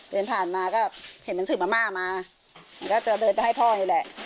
เดินผ่านมาก็เห็นมันถือมาม่ามามันก็จะเดินไปให้พ่อนี่แหละ